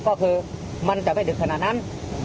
ก็คือมันจะไม่ดึกขนาดนั้น